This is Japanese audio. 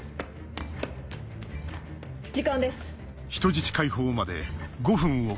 時間です。